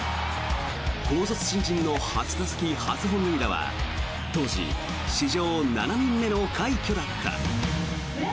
高卒新人の初打席初本塁打は当時、史上７人目の快挙だった。